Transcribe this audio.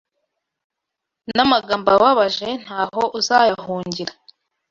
N'amagambo ababaje ntaho uzayahungira